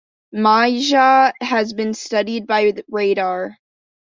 Maja has been studied by radar.